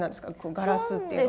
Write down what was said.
ガラスっていうのは。